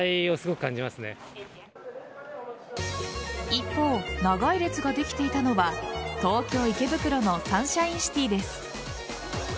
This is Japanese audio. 一方、長い列ができていたのは東京・池袋のサンシャインシティです。